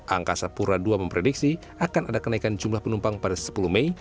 angkasa pura ii memprediksi akan ada kenaikan jumlah penumpang pada sepuluh mei